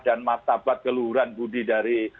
dan matabat geluhuran budi dari